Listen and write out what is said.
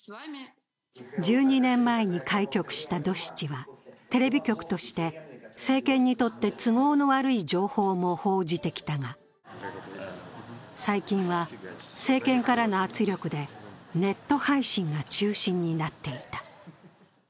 １２年前に開局したドシチはテレビ局として政権にとって都合の悪い情報も報じてきたが、最近は政権からの圧力でネット配信が中心になっていた。